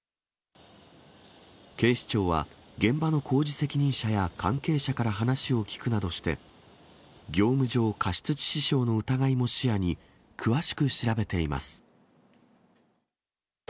警視庁は、現場の工事責任者や関係者から話を聴くなどして、業務上過失致死傷の疑いも視野に、詳しく調べています。